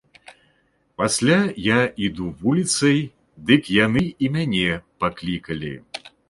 Пасля я іду вуліцай, дык яны і мяне паклікалі.